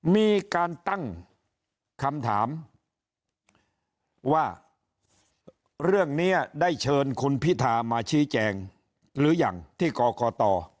มีการตั้งคำถามว่าเรื่องนี้ได้เชิญคุณพิธามาชี้แจงหรือยังที่กกต